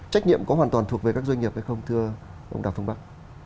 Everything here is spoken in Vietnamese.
trách nhiệm có hoàn toàn thuộc về các doanh nghiệp hay không thưa ông đào phương bắc